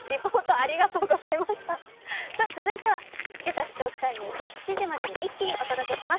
続いてはけさ知っておきたいニュースを一気にお届けします。